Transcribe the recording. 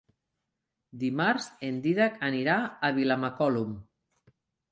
Dimarts en Dídac anirà a Vilamacolum.